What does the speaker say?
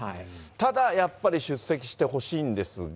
ただやっぱり出席してほしいんですが。